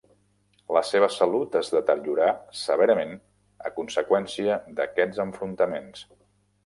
La seva salut es deteriorà severament a conseqüència d'aquests enfrontaments.